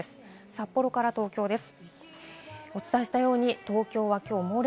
札幌から東京です。